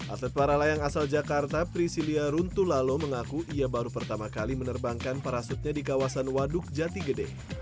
atlet para layang asal jakarta pricilia runtulalo mengaku ia baru pertama kali menerbangkan parasutnya di kawasan waduk jati gede